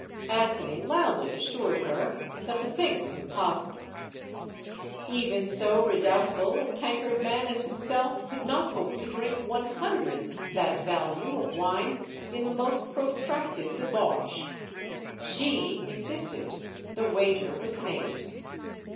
Antony loudly assured her that the thing was im possible. Even so redoubtable a tankard man as himself could not hope to drink one hundredth that value of CLEOPATRA 149 wine in the most protracted debauch. She insisted. The wager was made.